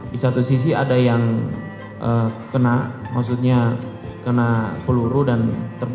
di satu sisi ada yang kena maksudnya kena peluru dan terbakar